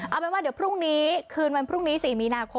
เอาเป็นว่าเดี๋ยวพรุ่งนี้คืนวันพรุ่งนี้๔มีนาคม